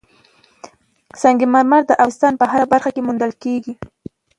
سنگ مرمر د افغانستان په هره برخه کې موندل کېږي.